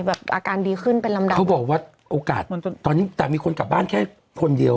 อาการดีขึ้นเป็นลำดับเขาบอกว่าโอกาสตอนนี้แต่มีคนกลับบ้านแค่คนเดียว